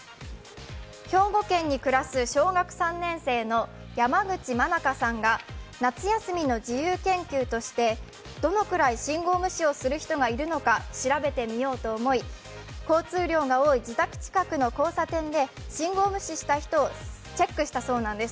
兵庫県に暮らす小学３年生の山口真佳さんが夏休みの自由研究としてどのくらい信号無視をする人がいるか、交通量が多い自宅近くの交差点で信号無視した人をチェックしたそうです。